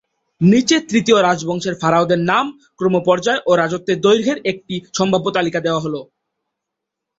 নিচে তৃতীয় রাজবংশের ফারাওদের নাম, ক্রমপর্যায় ও রাজত্বের দৈর্ঘ্যের একটি সম্ভাব্য তালিকা দেওয়া হল।